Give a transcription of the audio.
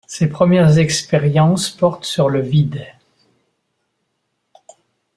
Ses premières expériences portent sur le vide.